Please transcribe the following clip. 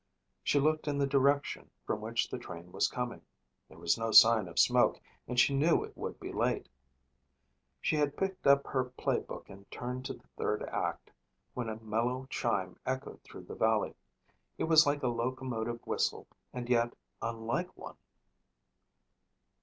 She looked in the direction from which the train was coming. There was no sign of smoke and she knew it would be late. She had picked up her play book and turned to the third act when a mellow chime echoed through the valley. It was like a locomotive whistle and yet unlike one.